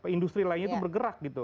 industri lainnya itu bergerak gitu